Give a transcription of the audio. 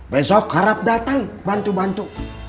besok harap datang bantu bantu